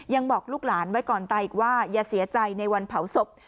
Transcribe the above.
ยังบอกลูกหลานไว้ก่อนตายอีกว่าอย่าเสียใจในวันเผาศพ